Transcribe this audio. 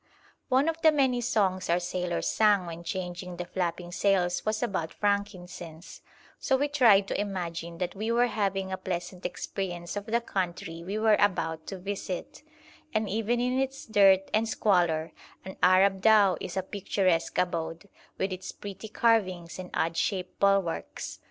One of the many songs our sailors sang when changing the flapping sails was about frankincense, so we tried to imagine that we were having a pleasant experience of the country we were about to visit; and even in its dirt and squalor an Arab dhow is a picturesque abode, with its pretty carvings and odd shaped bulwarks.